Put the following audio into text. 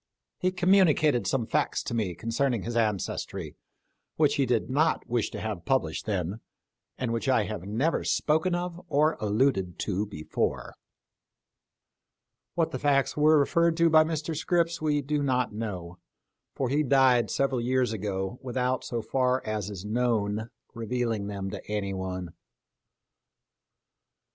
He communicated some facts to me concerning his ancestry, which he did not wish to have published then, and which I have never spoken of or alluded to before." What the facts referred to by Mr. Scripps were THE LIFE OF LINCOLN. 3 we do not know ; for he died several years ago with out, so far as is known, revealing them to anyone.